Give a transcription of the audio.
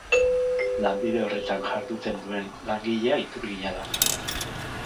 Lanbide horretan jarduten duen langilea iturgina da.